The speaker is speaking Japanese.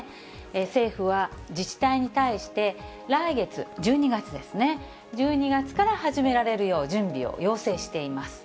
政府は自治体に対して、来月１２月ですね、１２月から始められるよう準備を要請しています。